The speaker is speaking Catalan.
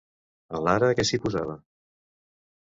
A l'ara què s'hi posava?